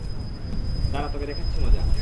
দাঁড়া, তোকে দেখাচ্ছি মজা।